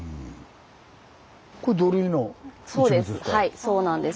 はいそうなんです。